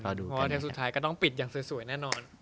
เพราะเดี๋ยวสุดท้ายก็ต้องปิดอย่างสวยแน่นอน